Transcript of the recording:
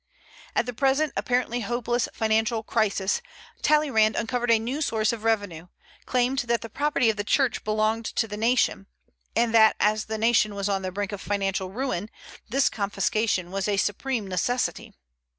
At the present apparently hopeless financial crisis, Talleyrand uncovered a new source of revenue, claimed that the property of the Church belonged to the nation, and that as the nation was on the brink of financial ruin, this confiscation was a supreme necessity.